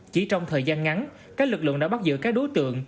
chỉ trong thời gian ngắn các lực lượng đã bắt giữ các đối tượng